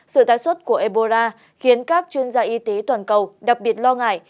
sự tái xuất của ebora khiến các chuyên gia y tế toàn cầu đặc biệt lo ngại